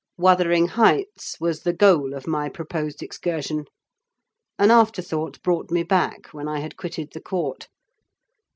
Wuthering Heights was the goal of my proposed excursion. An after thought brought me back, when I had quitted the court.